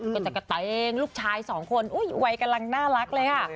กระเตงลูกชายสองคนอุ๊ยวัยกำลังน่ารักเลยค่ะ